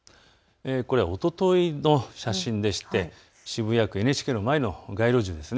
これはおとといの写真で渋谷区ＮＨＫの前の街路樹です。